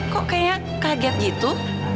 kok kayaknya kaget gitu